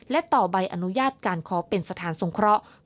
และต่อใบอนุญาตการขอเป็นสถานสงเคราะห์